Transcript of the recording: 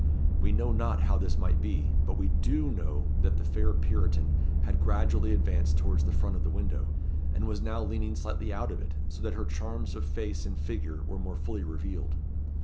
We know not how this might be; but we do know that the fair Puritan had gradually advanced towards the front of the window, and was now leaning slightly out of it, so that her charms of face and figure were more fully revealed.